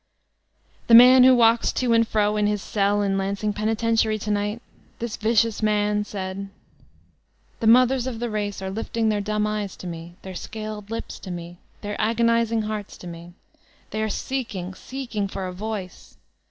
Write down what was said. The man who walks to and fro in his cell in Lansutg 348 VOLTAIUNE DE ClEYUS penitentiary to night, this vicious man, said: ''The mothers of the race are lifting their dumb eyes to me, their sealed lips to me, their agonizing hearts to me. They are seeking, seeking for a voice!